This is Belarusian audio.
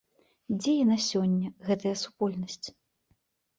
Дзе яна сёння, гэтая супольнасць?